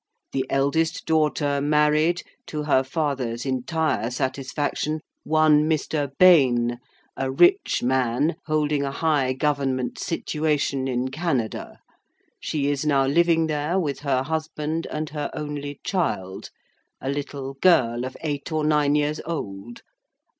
The eldest daughter married, to her father's entire satisfaction, one Mr. Bayne, a rich man, holding a high government situation in Canada. She is now living there with her husband, and her only child, a little girl of eight or nine years old.